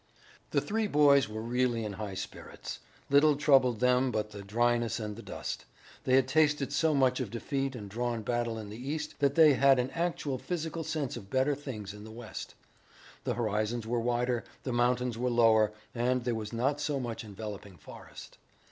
The three boys were really in high spirits. Little troubled them but the dryness and the dust. They had tasted so much of defeat and drawn battle in the east that they had an actual physical sense of better things in the west. The horizons were wider, the mountains were lower, and there was not so much enveloping forest.